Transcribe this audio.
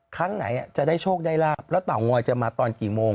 ครั้งไหนจะได้โชคได้ลาบแล้วเตางอยจะมาตอนกี่โมง